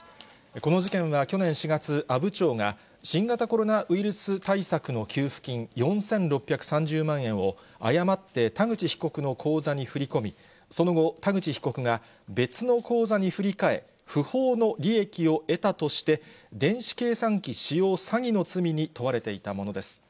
この事件は去年４月、阿武町が新型コロナウイルス対策の給付金４６３０万円を、誤って田口被告の口座に振り込み、その後、田口被告が別の口座に振り替え、不法の利益を得たとして、電子計算機使用詐欺の罪に問われていたものです。